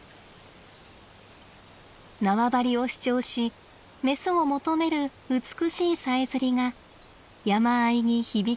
縄張りを主張しメスを求める美しいさえずりが山あいに響き渡ります。